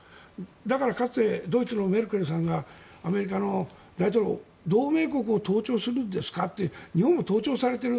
だからかつてドイツのメルケルさんがアメリカの大統領に同盟国を盗聴するんですかって日本も盗聴されている。